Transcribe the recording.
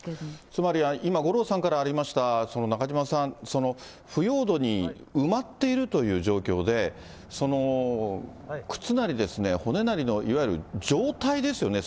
つまり今、五郎さんからありました、中島さん、腐葉土に埋まっているという状況で、靴なり、骨なりのいわゆる状態ですよね。